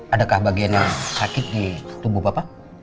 adakah bagian yang sakit di tubuh bapak